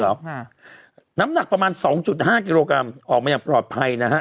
รถหนึ่งเหรอน้ำหนักประมาณ๒๕กิโลกรัมออกมาอย่างปลอดภัยนะฮะ